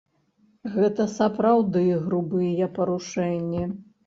Гэта сапраўды грубыя парушэнні.